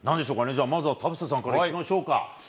じゃあ、まずは田臥さんから伺いましょうか。